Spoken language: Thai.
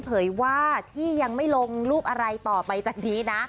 เผยว่าที่ยังไม่ลงรูปอะไรต่อไปจากนี้นะ